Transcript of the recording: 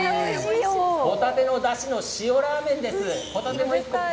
ホタテのだしの塩ラーメンです。